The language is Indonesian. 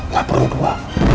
gak perlu dua